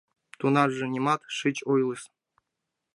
— Тунамже нимат шыч ойлыс.